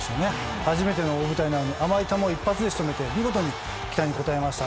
初めての太田の大舞台なので甘い球一発でしたが見事に期待に応えました。